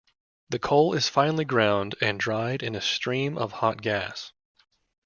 The coal is finely ground and dried in a stream of hot gas.